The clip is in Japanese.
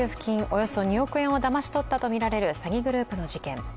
およそ２億円をだまし取ったとみられる詐欺グループの事件。